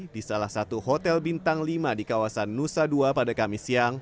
di salah satu hotel bintang lima di kawasan nusa dua pada kamis siang